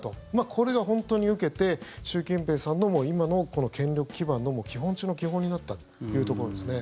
これが本当に受けて習近平さんの今の権力基盤の基本中の基本になったというところですね。